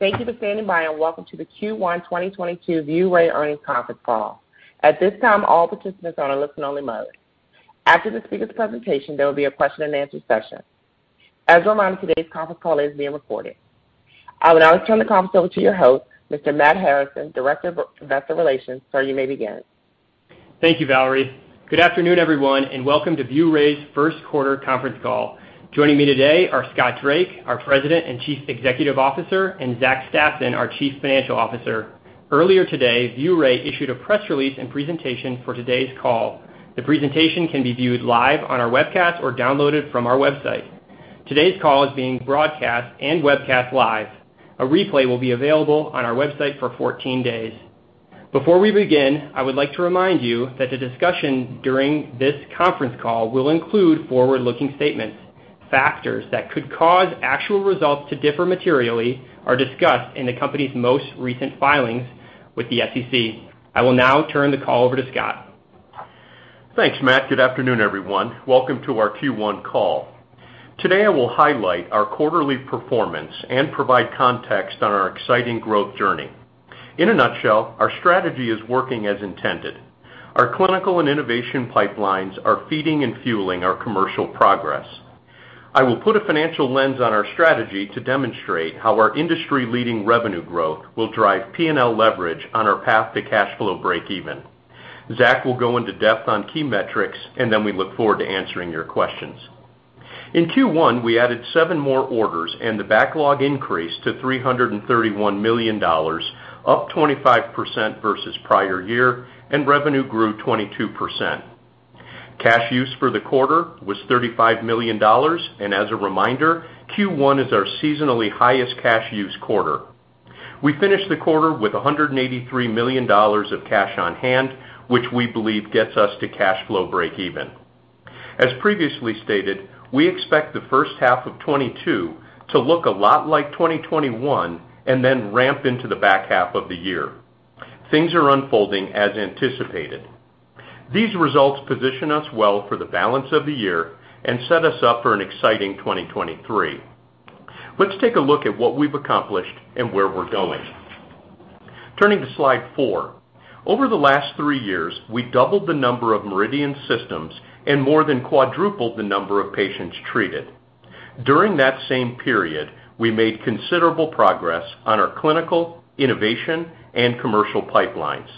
Thank you for standing by, and welcome to the Q1 2022 ViewRay Earnings Conference Call. At this time, all participants are on a listen only mode. After the speakers' presentation, there will be a question-and-answer session. As a reminder, today's conference call is being recorded. I would now like to turn the conference over to your host, Mr. Matt Harrison, Director of Investor Relations. Sir, you may begin. Thank you, Valerie. Good afternoon, everyone, and welcome to ViewRay's first quarter conference call. Joining me today are Scott Drake, our President and Chief Executive Officer, and Zach Stassen, our Chief Financial Officer. Earlier today, ViewRay issued a press release and presentation for today's call. The presentation can be viewed live on our webcast or downloaded from our website. Today's call is being broadcast and webcast live. A replay will be available on our website for 14 days. Before we begin, I would like to remind you that the discussion during this conference call will include forward-looking statements. Factors that could cause actual results to differ materially are discussed in the company's most recent filings with the SEC. I will now turn the call over to Scott. Thanks, Matt. Good afternoon, everyone. Welcome to our Q1 call. Today I will highlight our quarterly performance and provide context on our exciting growth journey. In a nutshell, our strategy is working as intended. Our clinical and innovation pipelines are feeding and fueling our commercial progress. I will put a financial lens on our strategy to demonstrate how our industry-leading revenue growth will drive P&L leverage on our path to cash flow breakeven. Zach will go into depth on key metrics, and then we look forward to answering your questions. In Q1, we added seven more orders and the backlog increased to $331 million, up 25% versus prior year, and revenue grew 22%. Cash use for the quarter was $35 million. As a reminder, Q1 is our seasonally highest cash use quarter. We finished the quarter with $183 million of cash on hand, which we believe gets us to cash flow breakeven. As previously stated, we expect the first half of 2022 to look a lot like 2021 and then ramp into the back half of the year. Things are unfolding as anticipated. These results position us well for the balance of the year and set us up for an exciting 2023. Let's take a look at what we've accomplished and where we're going. Turning to slide four. Over the last three years, we doubled the number of MRIdian systems and more than quadrupled the number of patients treated. During that same period, we made considerable progress on our clinical, innovation, and commercial pipelines.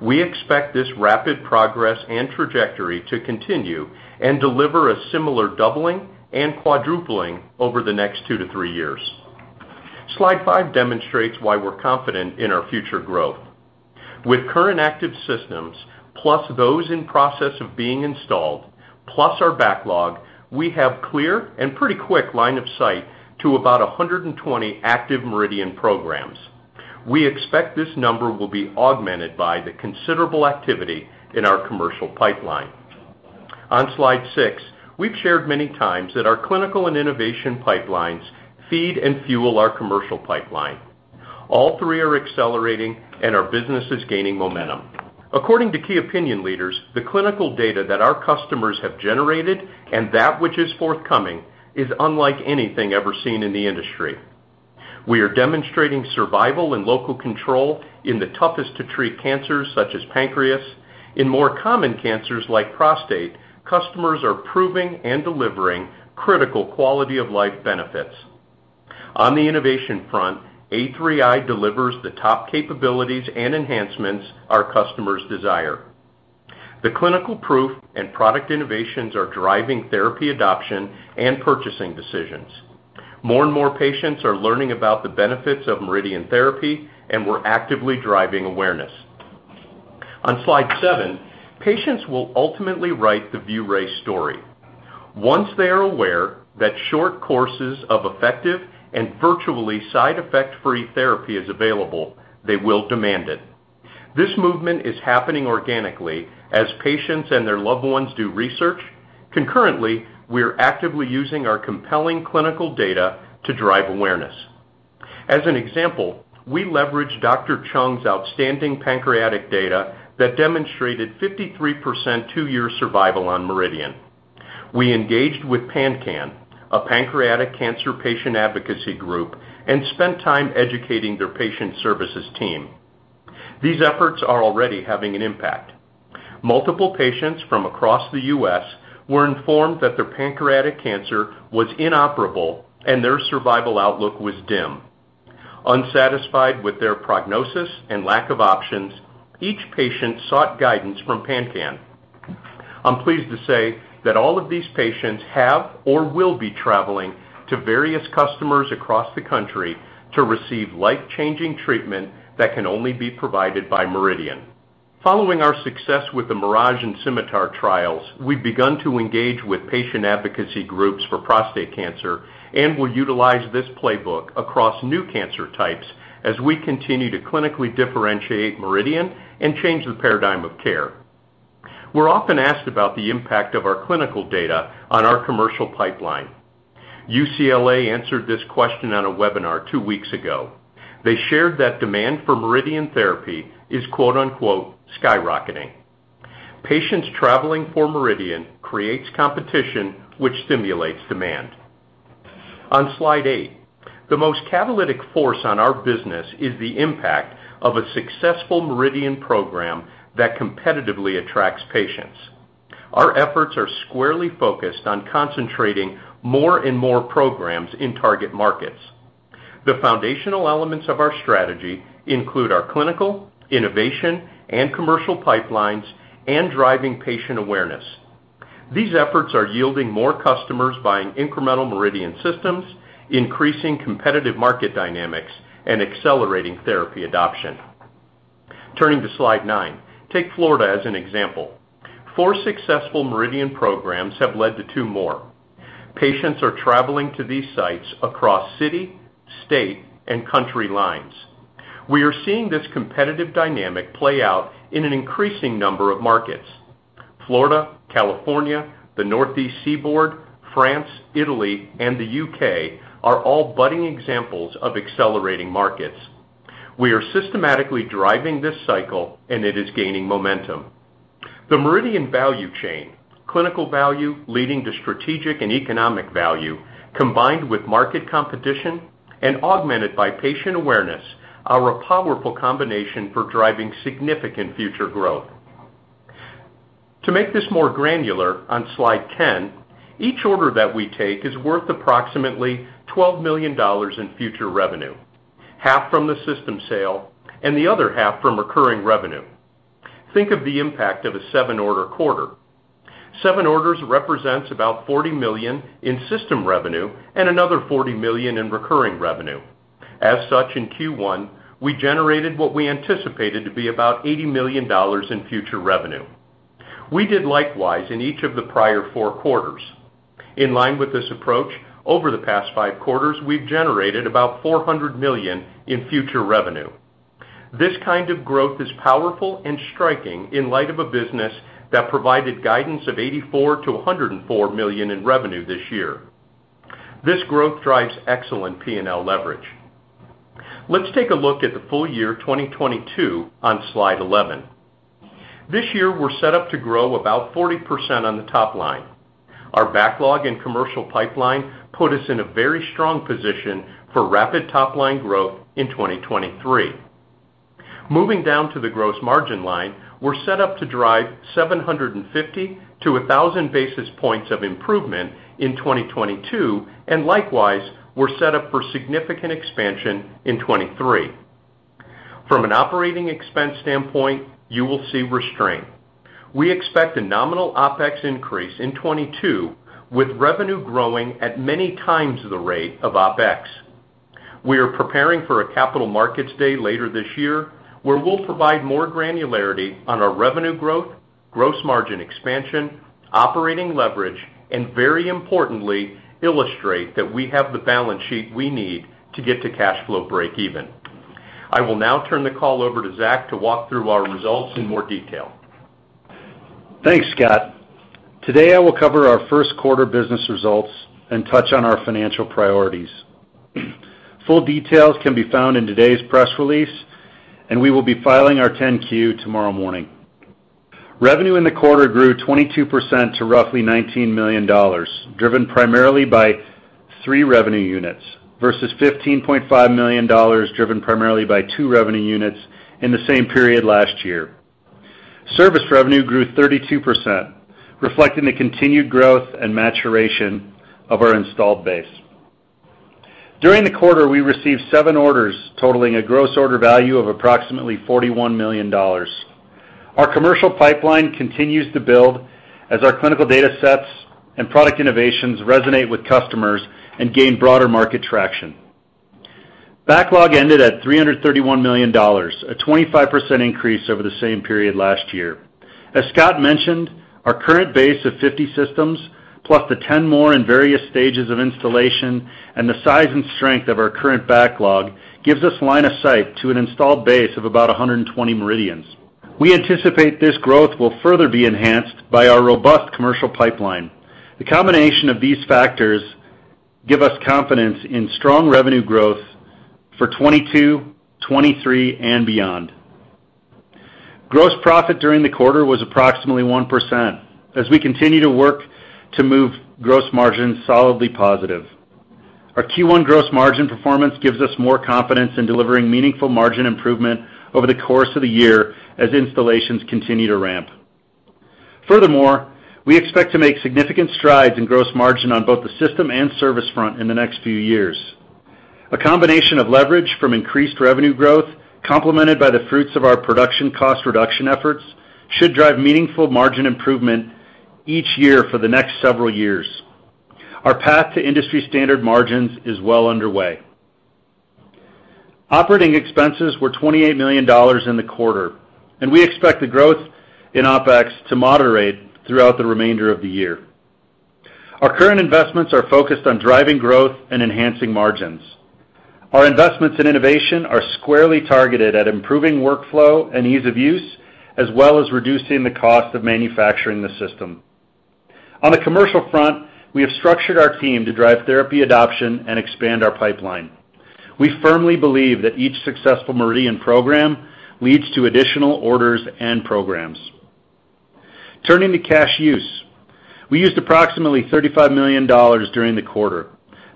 We expect this rapid progress and trajectory to continue and deliver a similar doubling and quadrupling over the next two to three years. Slide five demonstrates why we're confident in our future growth. With current active systems, plus those in process of being installed, plus our backlog, we have clear and pretty quick line of sight to about 120 active MRIdian programs. We expect this number will be augmented by the considerable activity in our commercial pipeline. On slide six, we've shared many times that our clinical and innovation pipelines feed and fuel our commercial pipeline. All three are accelerating and our business is gaining momentum. According to key opinion leaders, the clinical data that our customers have generated and that which is forthcoming is unlike anything ever seen in the industry. We are demonstrating survival and local control in the toughest to treat cancers, such as pancreas. In more common cancers like prostate, customers are proving and delivering critical quality of life benefits. On the innovation front, A3i delivers the top capabilities and enhancements our customers desire. The clinical proof and product innovations are driving therapy adoption and purchasing decisions. More and more patients are learning about the benefits of MRIdian therapy, and we're actively driving awareness. On slide seven, patients will ultimately write the ViewRay story. Once they are aware that short courses of effective and virtually side effect-free therapy is available, they will demand it. This movement is happening organically as patients and their loved ones do research. Concurrently, we are actively using our compelling clinical data to drive awareness. As an example, we leveraged Dr. Chuong's outstanding pancreatic data that demonstrated 53% two-year survival on MRIdian. We engaged with PanCAN, a pancreatic cancer patient advocacy group, and spent time educating their patient services team. These efforts are already having an impact. Multiple patients from across the U.S. were informed that their pancreatic cancer was inoperable and their survival outlook was dim. Unsatisfied with their prognosis and lack of options, each patient sought guidance from PanCAN. I'm pleased to say that all of these patients have or will be traveling to various customers across the country to receive life-changing treatment that can only be provided by MRIdian. Following our success with the MIRAGE and SCIMITAR trials, we've begun to engage with patient advocacy groups for prostate cancer and will utilize this playbook across new cancer types as we continue to clinically differentiate MRIdian and change the paradigm of care. We're often asked about the impact of our clinical data on our commercial pipeline. UCLA answered this question on a webinar two weeks ago. They shared that demand for MRIdian therapy is quote unquote, "skyrocketing." Patients traveling for MRIdian creates competition, which stimulates demand. On Slide eight, the most catalytic force on our business is the impact of a successful MRIdian program that competitively attracts patients. Our efforts are squarely focused on concentrating more and more programs in target markets. The foundational elements of our strategy include our clinical, innovation, and commercial pipelines, and driving patient awareness. These efforts are yielding more customers buying incremental MRIdian systems, increasing competitive market dynamics, and accelerating therapy adoption. Turning to Slide nine, take Florida as an example. Four successful MRIdian programs have led to two more. Patients are traveling to these sites across city, state, and country lines. We are seeing this competitive dynamic play out in an increasing number of markets. Florida, California, the Northeast Seaboard, France, Italy, and the UK are all budding examples of accelerating markets. We are systematically driving this cycle, and it is gaining momentum. The MRIdian value chain, clinical value leading to strategic and economic value combined with market competition and augmented by patient awareness are a powerful combination for driving significant future growth. To make this more granular, on Slide 10, each order that we take is worth approximately $12 million in future revenue, half from the system sale and the other half from recurring revenue. Think of the impact of a seven-order quarter. Seven orders represents about $40 million in system revenue and another $40 million in recurring revenue. As such, in Q1, we generated what we anticipated to be about $80 million in future revenue. We did likewise in each of the prior four quarters. In line with this approach, over the past five quarters, we've generated about $400 million in future revenue. This kind of growth is powerful and striking in light of a business that provided guidance of $84 million-$104 million in revenue this year. This growth drives excellent P&L leverage. Let's take a look at the full year 2022 on Slide 11. This year, we're set up to grow about 40% on the top line. Our backlog and commercial pipeline put us in a very strong position for rapid top-line growth in 2023. Moving down to the gross margin line, we're set up to drive 750 basis points-1,000 basis points of improvement in 2022, and likewise, we're set up for significant expansion in 2023. From an operating expense standpoint, you will see restraint. We expect a nominal OpEx increase in 2022, with revenue growing at many times the rate of OpEx. We are preparing for a Capital Markets Day later this year, where we'll provide more granularity on our revenue growth, gross margin expansion, operating leverage, and very importantly, illustrate that we have the balance sheet we need to get to cash flow breakeven. I will now turn the call over to Zach Stassen to walk through our results in more detail. Thanks, Scott. Today, I will cover our first quarter business results and touch on our financial priorities. Full details can be found in today's press release, and we will be filing our 10-Q tomorrow morning. Revenue in the quarter grew 22% to roughly $19 million, driven primarily by three revenue units versus $15.5 million, driven primarily by two revenue units in the same period last year. Service revenue grew 32%, reflecting the continued growth and maturation of our installed base. During the quarter, we received seven orders totaling a gross order value of approximately $41 million. Our commercial pipeline continues to build as our clinical data sets and product innovations resonate with customers and gain broader market traction. Backlog ended at $331 million, a 25% increase over the same period last year. As Scott mentioned, our current base of 50 systems, plus the 10 more in various stages of installation and the size and strength of our current backlog gives us line of sight to an installed base of about 120 MRIdians. We anticipate this growth will further be enhanced by our robust commercial pipeline. The combination of these factors give us confidence in strong revenue growth for 2022, 2023, and beyond. Gross profit during the quarter was approximately 1%, as we continue to work to move gross margin solidly positive. Our Q1 gross margin performance gives us more confidence in delivering meaningful margin improvement over the course of the year as installations continue to ramp. Furthermore, we expect to make significant strides in gross margin on both the system and service front in the next few years. A combination of leverage from increased revenue growth, complemented by the fruits of our production cost reduction efforts, should drive meaningful margin improvement each year for the next several years. Our path to industry standard margins is well underway. Operating expenses were $28 million in the quarter, and we expect the growth in OpEx to moderate throughout the remainder of the year. Our current investments are focused on driving growth and enhancing margins. Our investments in innovation are squarely targeted at improving workflow and ease of use, as well as reducing the cost of manufacturing the system. On the commercial front, we have structured our team to drive therapy adoption and expand our pipeline. We firmly believe that each successful MRIdian program leads to additional orders and programs. Turning to cash use. We used approximately $35 million during the quarter.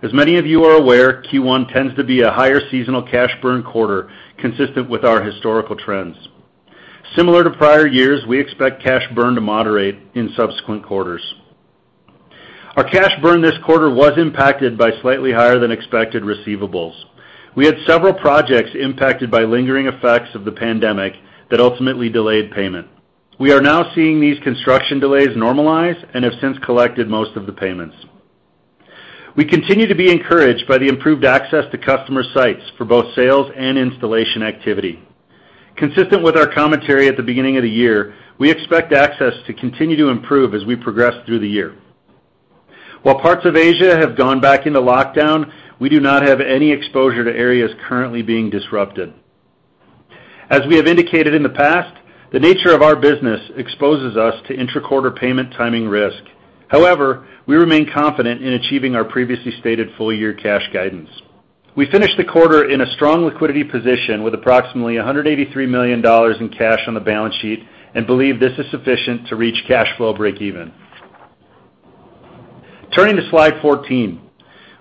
As many of you are aware, Q1 tends to be a higher seasonal cash burn quarter consistent with our historical trends. Similar to prior years, we expect cash burn to moderate in subsequent quarters. Our cash burn this quarter was impacted by slightly higher than expected receivables. We had several projects impacted by lingering effects of the pandemic that ultimately delayed payment. We are now seeing these construction delays normalize and have since collected most of the payments. We continue to be encouraged by the improved access to customer sites for both sales and installation activity. Consistent with our commentary at the beginning of the year, we expect access to continue to improve as we progress through the year. While parts of Asia have gone back into lockdown, we do not have any exposure to areas currently being disrupted. As we have indicated in the past, the nature of our business exposes us to intra-quarter payment timing risk. However, we remain confident in achieving our previously stated full-year cash guidance. We finished the quarter in a strong liquidity position with approximately $183 million in cash on the balance sheet, and believe this is sufficient to reach cash flow breakeven. Turning to slide 14.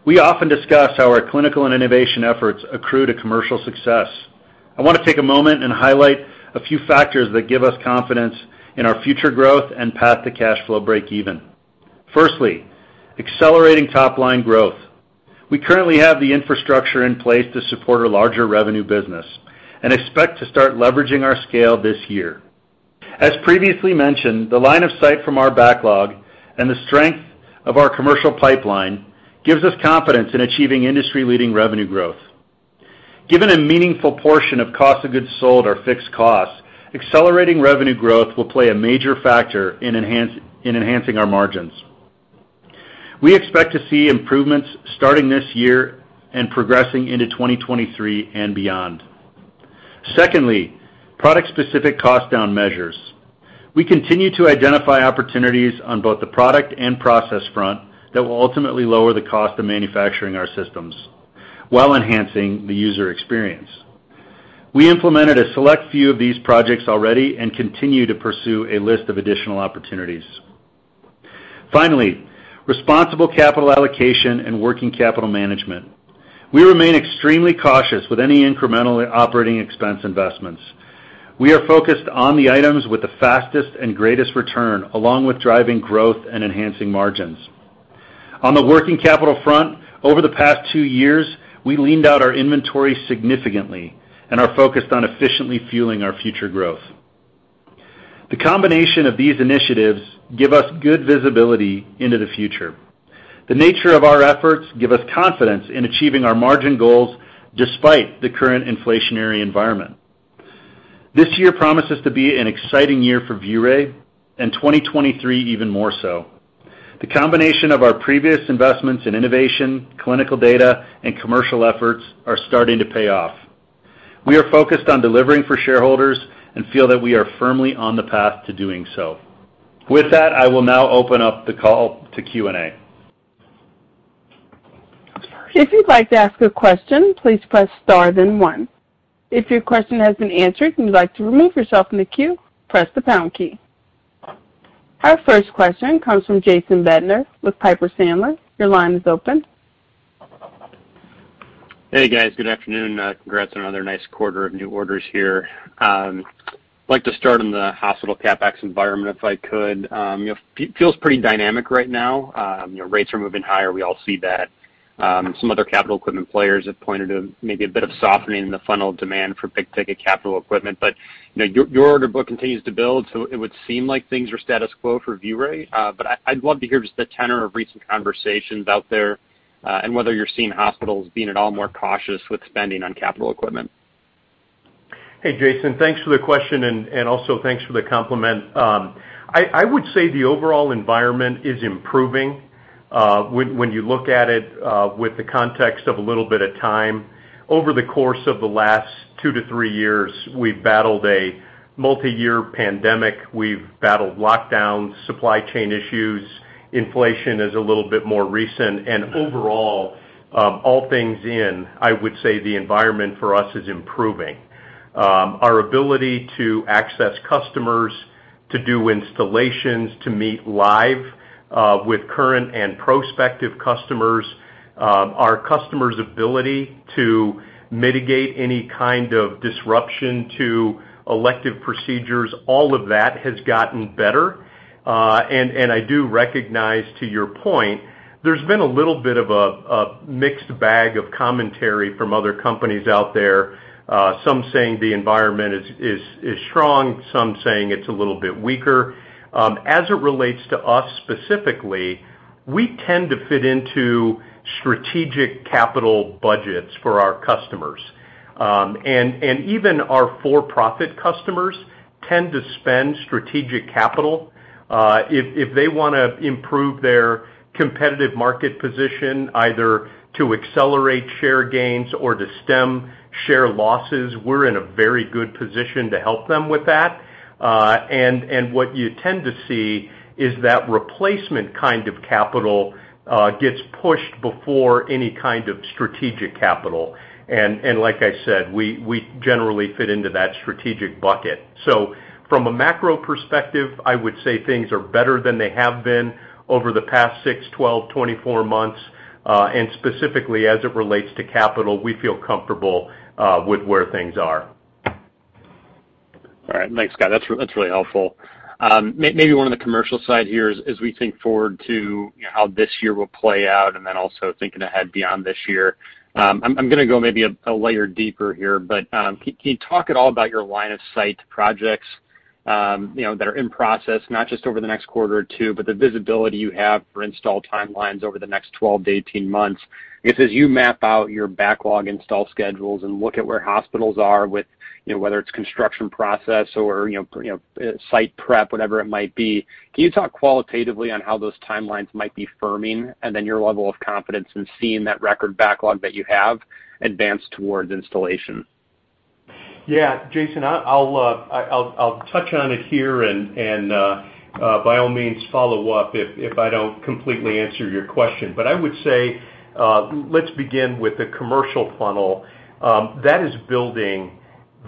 We often discuss how our clinical and innovation efforts accrue to commercial success. I wanna take a moment and highlight a few factors that give us confidence in our future growth and path to cash flow breakeven. Firstly, accelerating top line growth. We currently have the infrastructure in place to support a larger revenue business, and expect to start leveraging our scale this year. As previously mentioned, the line of sight from our backlog and the strength of our commercial pipeline gives us confidence in achieving industry-leading revenue growth. Given a meaningful portion of cost of goods sold or fixed costs, accelerating revenue growth will play a major factor in enhancing our margins. We expect to see improvements starting this year and progressing into 2023 and beyond. Secondly, product specific cost down measures. We continue to identify opportunities on both the product and process front that will ultimately lower the cost of manufacturing our systems while enhancing the user experience. We implemented a select few of these projects already and continue to pursue a list of additional opportunities. Finally, responsible capital allocation and working capital management. We remain extremely cautious with any incremental operating expense investments. We are focused on the items with the fastest and greatest return, along with driving growth and enhancing margins. On the working capital front, over the past two years, we leaned out our inventory significantly and are focused on efficiently fueling our future growth. The combination of these initiatives give us good visibility into the future. The nature of our efforts give us confidence in achieving our margin goals despite the current inflationary environment. This year promises to be an exciting year for ViewRay, and 2023 even more so. The combination of our previous investments in innovation, clinical data, and commercial efforts are starting to pay off. We are focused on delivering for shareholders and feel that we are firmly on the path to doing so. With that, I will now open up the call to Q&A. If you'd like to ask a question, please press star then one. If your question has been answered and you'd like to remove yourself from the queue, press the pound key. Our first question comes from Jason Bednar with Piper Sandler. Your line is open. Hey, guys. Good afternoon. Congrats on another nice quarter of new orders here. I'd like to start on the hospital CapEx environment if I could. You know, feels pretty dynamic right now. You know, rates are moving higher, we all see that. Some other capital equipment players have pointed to maybe a bit of softening in the funnel of demand for big-ticket capital equipment. You know, your order book continues to build, so it would seem like things are status quo for ViewRay. I'd love to hear just the tenor of recent conversations out there, and whether you're seeing hospitals being at all more cautious with spending on capital equipment. Hey, Jason. Thanks for the question and also thanks for the compliment. I would say the overall environment is improving, when you look at it, with the context of a little bit of time. Over the course of the last 2-3 years, we've battled a multiyear pandemic, we've battled lockdowns, supply chain issues, inflation is a little bit more recent, and overall, all things in, I would say the environment for us is improving. Our ability to access customers to do installations, to meet live, with current and prospective customers, our customers' ability to mitigate any kind of disruption to elective procedures, all of that has gotten better. I do recognize, to your point, there's been a little bit of a mixed bag of commentary from other companies out there, some saying the environment is strong, some saying it's a little bit weaker. As it relates to us specifically, we tend to fit into strategic capital budgets for our customers. Even our for-profit customers tend to spend strategic capital. If they wanna improve their competitive market position, either to accelerate share gains or to stem share losses, we're in a very good position to help them with that. What you tend to see is that replacement kind of capital gets pushed before any kind of strategic capital. Like I said, we generally fit into that strategic bucket. From a macro perspective, I would say things are better than they have been over the past six, 12, 24 months. Specifically, as it relates to capital, we feel comfortable with where things are. All right. Thanks, Scott. That's really helpful. Maybe on the commercial side here, as we think forward to, you know, how this year will play out, and then also thinking ahead beyond this year, I'm gonna go maybe a layer deeper here, but can you talk at all about your line of sight projects, you know, that are in process, not just over the next quarter or two, but the visibility you have for install timelines over the next 12-18 months? I guess, as you map out your backlog install schedules and look at where hospitals are with, you know, whether it's construction process or, you know, site prep, whatever it might be, can you talk qualitatively on how those timelines might be firming, and then your level of confidence in seeing that record backlog that you have advance towards installation? Yeah. Jason, I'll touch on it here and by all means follow up if I don't completely answer your question. I would say, let's begin with the commercial funnel. That is building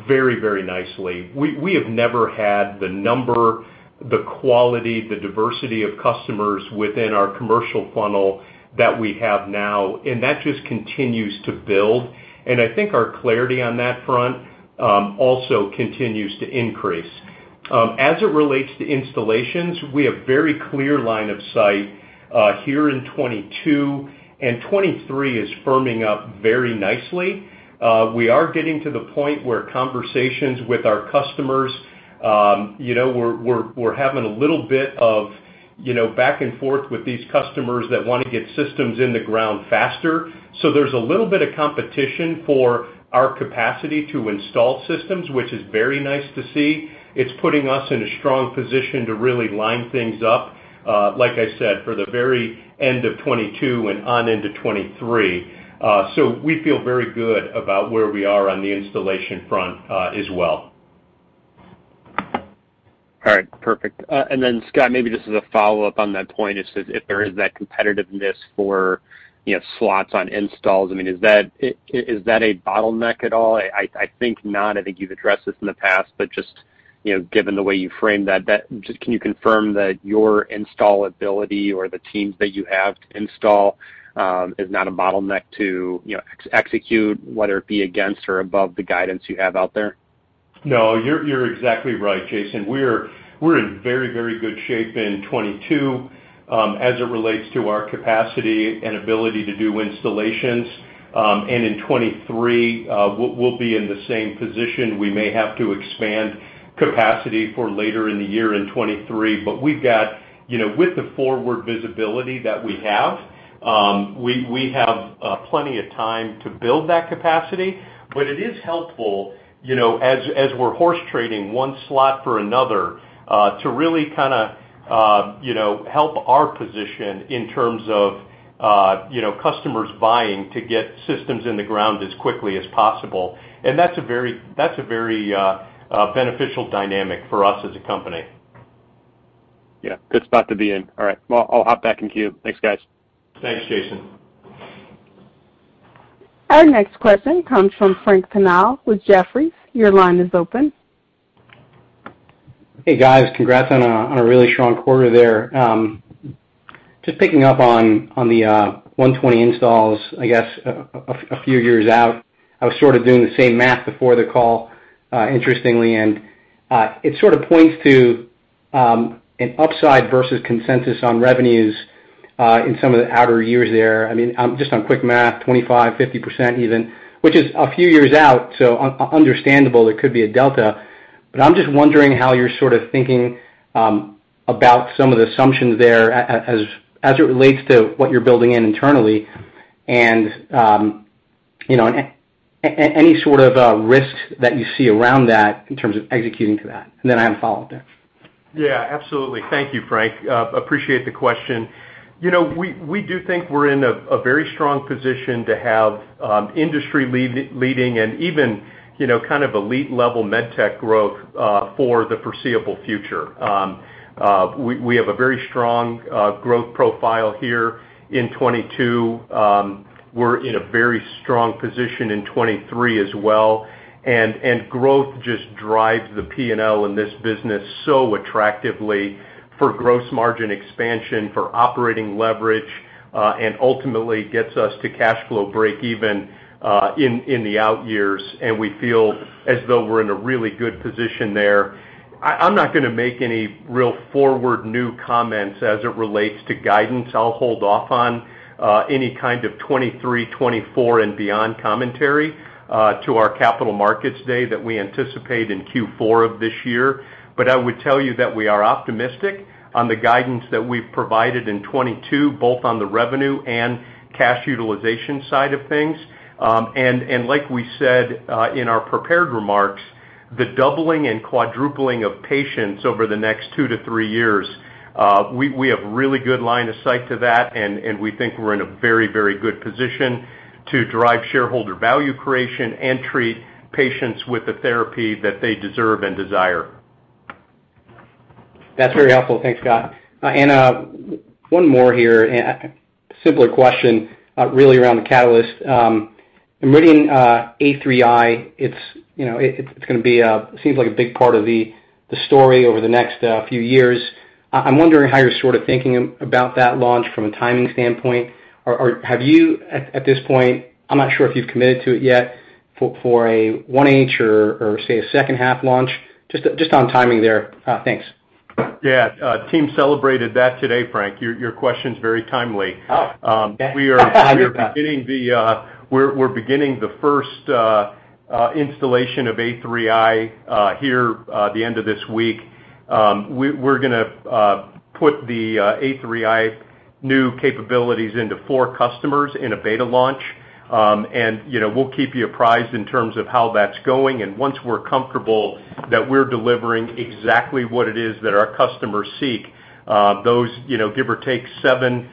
very, very nicely. We have never had the number, the quality, the diversity of customers within our commercial funnel that we have now, and that just continues to build. I think our clarity on that front also continues to increase. As it relates to installations, we have very clear line of sight here in 2022, and 2023 is firming up very nicely. We are getting to the point where conversations with our customers, you know, we're having a little bit of, you know, back and forth with these customers that wanna get systems in the ground faster. There's a little bit of competition for our capacity to install systems, which is very nice to see. It's putting us in a strong position to really line things up, like I said, for the very end of 2022 and on into 2023. We feel very good about where we are on the installation front, as well. All right. Perfect. Then Scott, maybe just as a follow-up on that point, is if there is that competitiveness for, you know, slots on installs, I mean, is that a bottleneck at all? I think not. I think you've addressed this in the past, but just, you know, given the way you framed that just can you confirm that your installability or the teams that you have to install is not a bottleneck to, you know, execute, whether it be against or above the guidance you have out there? No, you're exactly right, Jason. We're in very good shape in 2022, as it relates to our capacity and ability to do installations. In 2023, we'll be in the same position. We may have to expand capacity for later in the year in 2023. We've got, you know, with the forward visibility that we have, we have plenty of time to build that capacity. It is helpful, you know, as we're horse trading one slot for another, to really kinda you know help our position in terms of you know customers buying to get systems in the ground as quickly as possible. That's a very beneficial dynamic for us as a company. Yeah. Good spot to be in. All right. Well, I'll hop back in queue. Thanks, guys. Thanks, Jason. Our next question comes from Frank Pinal with Jefferies. Your line is open. Hey, guys. Congrats on a really strong quarter there. Just picking up on the 120 installs, I guess, a few years out, I was sort of doing the same math before the call, interestingly, and it sort of points to an upside versus consensus on revenues in some of the outer years there. I mean, I'm just on quick math, 25%, 50% even, which is a few years out, so understandable there could be a delta. I'm just wondering how you're sort of thinking about some of the assumptions there as it relates to what you're building in internally. You know, any sort of risks that you see around that in terms of executing to that. Then I have a follow-up there. Yeah, absolutely. Thank you, Frank. Appreciate the question. You know, we do think we're in a very strong position to have industry leading and even, you know, kind of elite level med tech growth for the foreseeable future. We have a very strong growth profile here in 2022. We're in a very strong position in 2023 as well. Growth just drives the P&L in this business so attractively for gross margin expansion, for operating leverage, and ultimately gets us to cash flow breakeven in the out years, and we feel as though we're in a really good position there. I'm not gonna make any real forward new comments as it relates to guidance. I'll hold off on any kind of 2023, 2024, and beyond commentary to our Capital Markets Day that we anticipate in Q4 of this year. I would tell you that we are optimistic on the guidance that we've provided in 2022, both on the revenue and cash utilization side of things. Like we said in our prepared remarks, the doubling and quadrupling of patients over the next two to three years, we have really good line of sight to that, and we think we're in a very, very good position to drive shareholder value creation and treat patients with the therapy that they deserve and desire. That's very helpful. Thanks, Scott. One more here. A simpler question, really around the catalyst. In reading A3i, you know, it seems like a big part of the story over the next few years. I'm wondering how you're sort of thinking about that launch from a timing standpoint. Have you at this point, I'm not sure if you've committed to it yet for a H1 or say, a second half launch? Just on timing there. Thanks. Yeah. Team celebrated that today, Frank. Your question's very timely. Oh, okay. We're beginning the first installation of A3i here at the end of this week. We're gonna put the A3i new capabilities into four customers in a beta launch. You know, we'll keep you apprised in terms of how that's going. Once we're comfortable that we're delivering exactly what it is that our customers seek, those, you know, give or take seven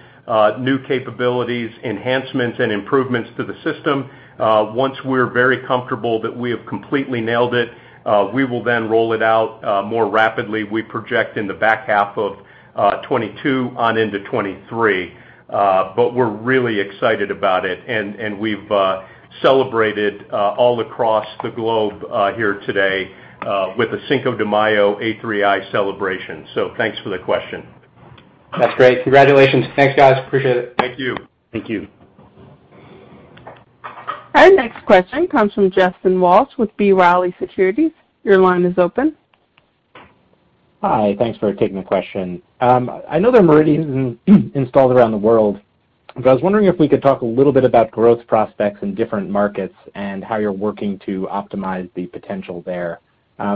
new capabilities, enhancements, and improvements to the system, once we're very comfortable that we have completely nailed it, we will then roll it out more rapidly. We project in the back half of 2022 on into 2023. But we're really excited about it, and we've celebrated all across the globe here today with a Cinco de Mayo A3i celebration. Thanks for the question. That's great. Congratulations. Thanks, guys. Appreciate it. Thank you. Thank you. Our next question comes from Justin Walsh with B. Riley Securities. Your line is open. Hi. Thanks for taking the question. I know there are MRIdians installed around the world, but I was wondering if we could talk a little bit about growth prospects in different markets and how you're working to optimize the potential there.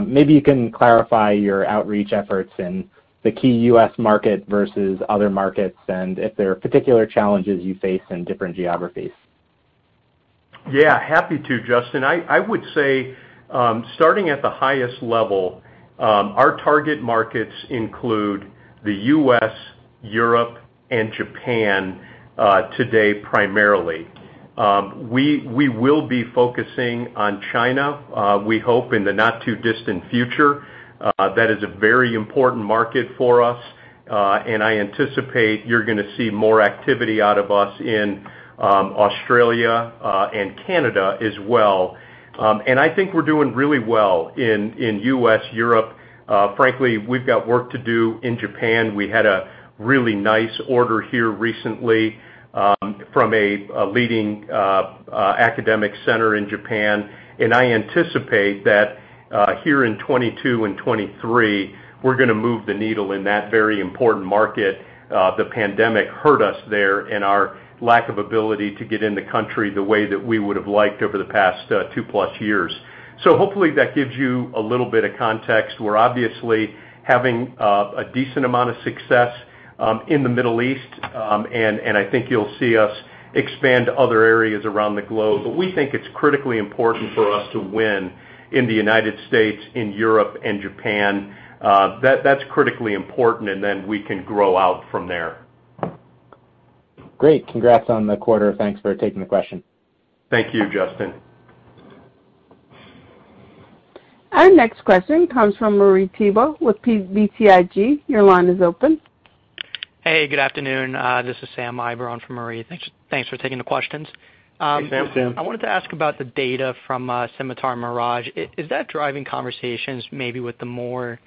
Maybe you can clarify your outreach efforts in the key U.S. market versus other markets and if there are particular challenges you face in different geographies. Yeah, happy to, Justin. I would say, starting at the highest level, our target markets include the U.S., Europe, and Japan, today primarily. We will be focusing on China, we hope in the not too distant future. That is a very important market for us, and I anticipate you're gonna see more activity out of us in Australia and Canada as well. I think we're doing really well in U.S., Europe. Frankly, we've got work to do in Japan. We had a really nice order here recently, from a leading academic center in Japan. I anticipate that, here in 2022 and 2023, we're gonna move the needle in that very important market. The pandemic hurt us there and our lack of ability to get in the country the way that we would have liked over the past 2+ years. Hopefully that gives you a little bit of context. We're obviously having a decent amount of success in the Middle East, and I think you'll see us expand to other areas around the globe. We think it's critically important for us to win in the United States, in Europe and Japan. That's critically important, and then we can grow out from there. Great. Congrats on the quarter. Thanks for taking the question. Thank you, Justin. Our next question comes from Marie Thibault with BTIG. Your line is open. Hey, good afternoon. This is Sam Eiber from BTIG. Thanks for taking the questions. Hey, Sam. I wanted to ask about the data from SCIMITAR MIRAGE. Is that driving conversations maybe with the more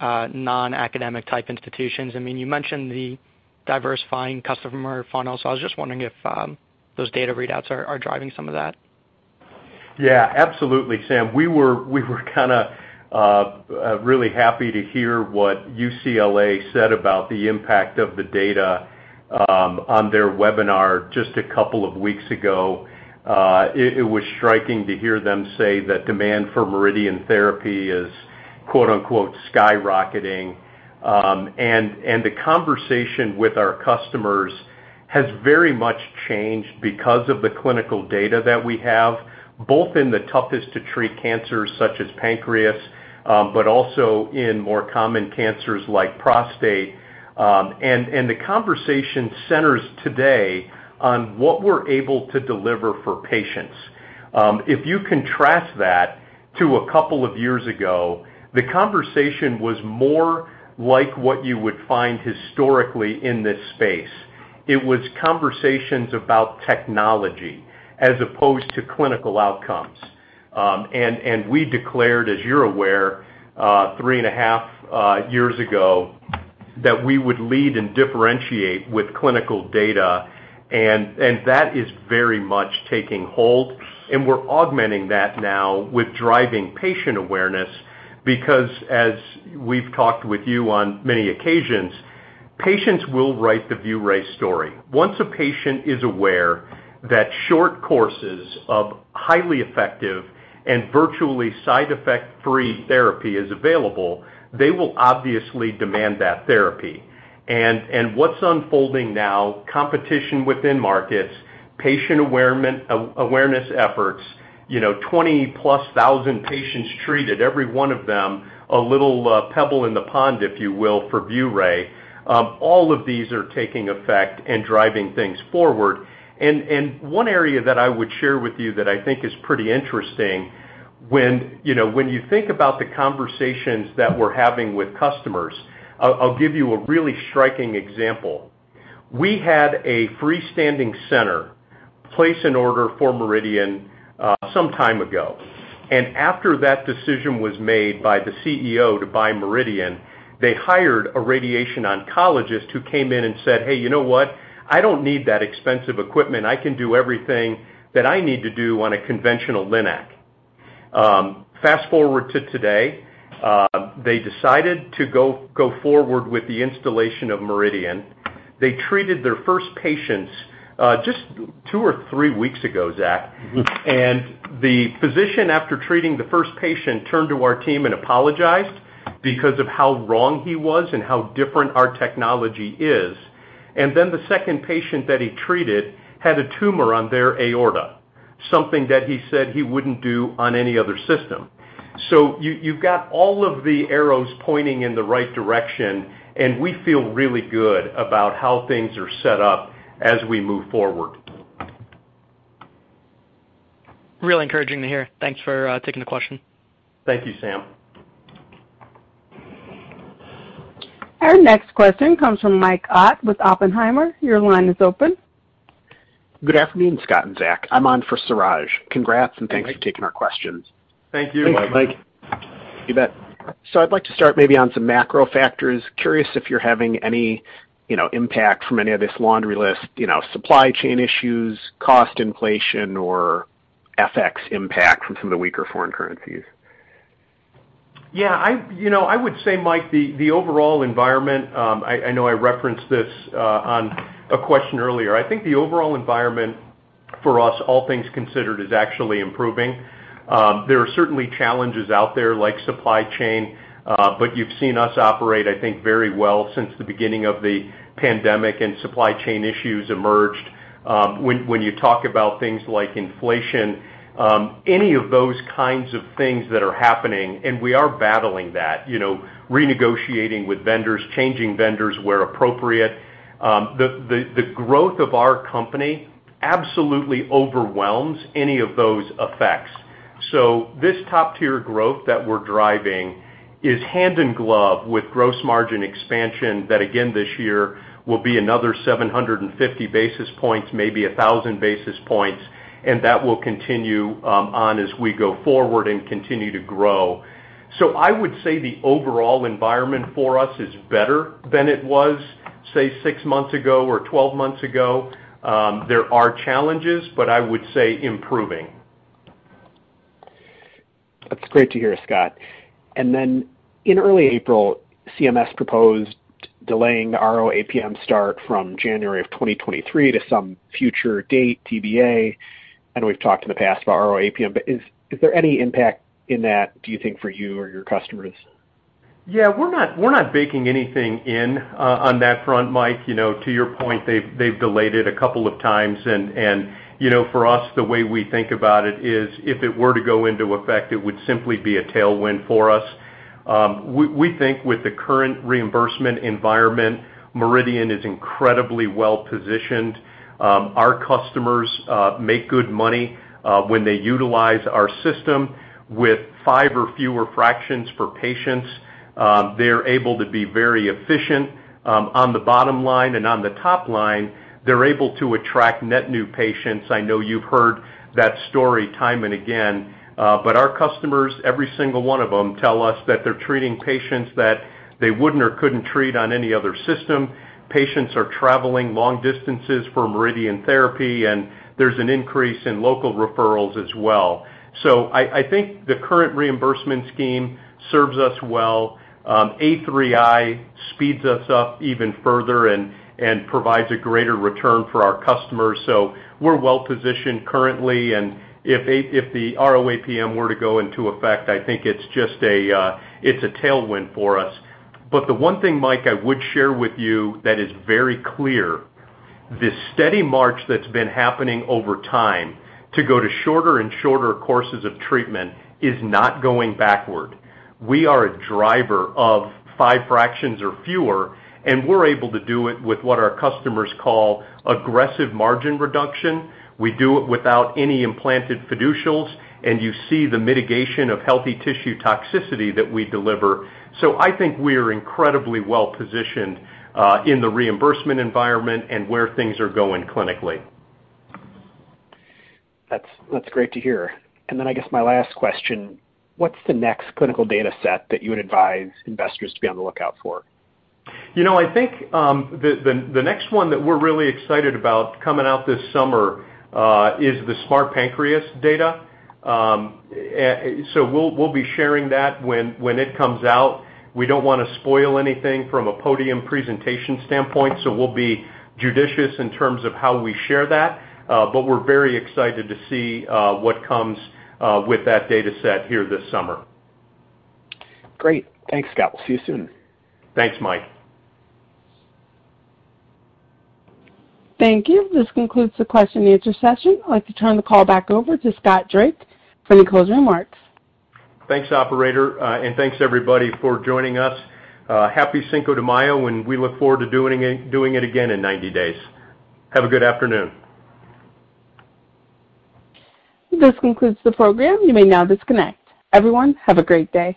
non-academic type institutions? I mean, you mentioned the diversifying customer funnel, so I was just wondering if those data readouts are driving some of that. Yeah, absolutely, Sam. We were kind of really happy to hear what UCLA said about the impact of the data on their webinar just a couple of weeks ago. It was striking to hear them say that demand for MRIdian therapy is, "skyrocketing." And the conversation with our customers has very much changed because of the clinical data that we have, both in the toughest to treat cancers such as pancreas, but also in more common cancers like prostate. And the conversation centers today on what we're able to deliver for patients. If you contrast that to a couple of years ago, the conversation was more like what you would find historically in this space. It was conversations about technology as opposed to clinical outcomes. We declared, as you're aware, 3.5 years ago that we would lead and differentiate with clinical data, and that is very much taking hold. We're augmenting that now with driving patient awareness because, as we've talked with you on many occasions, patients will write the ViewRay story. Once a patient is aware that short courses of highly effective and virtually side effect-free therapy is available, they will obviously demand that therapy. What's unfolding now, competition within markets, patient awareness efforts, you know, 20,000+ patients treated, every one of them a little pebble in the pond, if you will, for ViewRay. All of these are taking effect and driving things forward. One area that I would share with you that I think is pretty interesting, when you know, when you think about the conversations that we're having with customers, I'll give you a really striking example. We had a freestanding center place an order for MRIdian some time ago. After that decision was made by the CEO to buy MRIdian, they hired a radiation oncologist who came in and said, "Hey, you know what? I don't need that expensive equipment. I can do everything that I need to do on a conventional LINAC." Fast-forward to today, they decided to go forward with the installation of MRIdian. They treated their first patients just two or three weeks ago, Zach. Mm-hmm. The physician, after treating the first patient, turned to our team and apologized because of how wrong he was and how different our technology is. Then the second patient that he treated had a tumor on their aorta, something that he said he wouldn't do on any other system. You, you've got all of the arrows pointing in the right direction, and we feel really good about how things are set up as we move forward. Really encouraging to hear. Thanks for taking the question. Thank you, Sam. Our next question comes from Mike Ott with Oppenheimer. Your line is open.k Good afternoon, Scott and Zach. I'm on for Suraj. Congrats. Hey, Mike. Thanks for taking our questions. Thank you, Mike. Thanks, Mike. You bet. I'd like to start maybe on some macro factors. Curious if you're having any, you know, impact from any of this laundry list, you know, supply chain issues, cost inflation, or FX impact from some of the weaker foreign currencies. You know, I would say, Mike, the overall environment, I know I referenced this on a question earlier. I think the overall environment for us, all things considered, is actually improving. There are certainly challenges out there like supply chain, but you've seen us operate, I think, very well since the beginning of the pandemic and supply chain issues emerged. When you talk about things like inflation, any of those kinds of things that are happening, and we are battling that, you know, renegotiating with vendors, changing vendors where appropriate, the growth of our company absolutely overwhelms any of those effects. This top-tier growth that we're driving is hand in glove with gross margin expansion that, again, this year will be another 750 basis points, maybe 1,000 basis points, and that will continue on as we go forward and continue to grow. I would say the overall environment for us is better than it was, say, 6 months ago or 12 months ago. There are challenges, but I would say improving. That's great to hear, Scott. In early April, CMS proposed delaying the RO-APM start from January of 2023 to some future date, TBA. I know we've talked in the past about RO-APM, but is there any impact in that, do you think, for you or your customers? Yeah. We're not baking anything in on that front, Mike. You know, to your point, they've delayed it a couple of times. You know, for us, the way we think about it is if it were to go into effect, it would simply be a tailwind for us. We think with the current reimbursement environment, MRIdian is incredibly well positioned. Our customers make good money when they utilize our system with five or fewer fractions for patients. They're able to be very efficient on the bottom line, and on the top line, they're able to attract net new patients. I know you've heard that story time and again, but our customers, every single one of them tell us that they're treating patients that they wouldn't or couldn't treat on any other system. Patients are traveling long distances for MRIdian therapy, and there's an increase in local referrals as well. I think the current reimbursement scheme serves us well. A3i speeds us up even further and provides a greater return for our customers. We're well positioned currently, and if the RO-APM were to go into effect, I think it's just a tailwind for us. The one thing, Mike, I would share with you that is very clear, this steady march that's been happening over time to go to shorter and shorter courses of treatment is not going backward. We are a driver of five fractions or fewer, and we're able to do it with what our customers call aggressive margin reduction. We do it without any implanted fiducials, and you see the mitigation of healthy tissue toxicity that we deliver. I think we're incredibly well positioned, in the reimbursement environment and where things are going clinically. That's great to hear. Then I guess my last question: What's the next clinical data set that you would advise investors to be on the lookout for? You know, I think, the next one that we're really excited about coming out this summer, is the SMART Pancreas data. We'll be sharing that when it comes out. We don't wanna spoil anything from a podium presentation standpoint, so we'll be judicious in terms of how we share that, but we're very excited to see what comes with that data set here this summer. Great. Thanks, Scott. We'll see you soon. Thanks, Mike. Thank you. This concludes the question and answer session. I'd like to turn the call back over to Scott Drake for any closing remarks. Thanks, operator. Thanks everybody for joining us. Happy Cinco de Mayo, and we look forward to doing it again in 90 days. Have a good afternoon. This concludes the program. You may now disconnect. Everyone, have a great day.